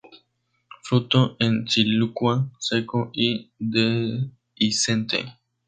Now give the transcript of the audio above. Fruto en silicua, seco y dehiscente.